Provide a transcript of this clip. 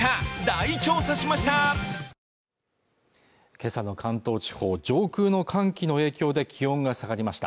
今朝の関東地方上空の寒気の影響で気温が下がりました